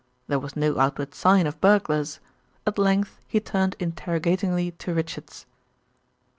There, was no outward sign of burglars. At length he turned interrogatingly to Richards.